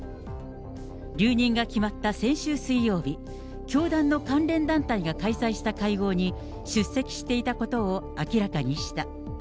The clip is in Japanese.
留任が決まった先週水曜日、教団の関連団体が開催した会合に出席していたことを明らかにした。